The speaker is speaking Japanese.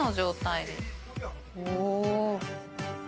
お。